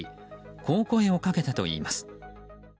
こう声をかけたといいます。